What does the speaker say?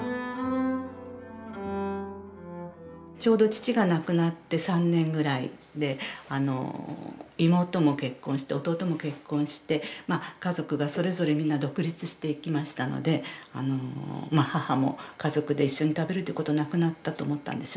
ちょうど父が亡くなって３年ぐらいで妹も結婚して弟も結婚して家族がそれぞれみんな独立していきましたので母も家族で一緒に食べるという事がなくなったと思ったんでしょうかね。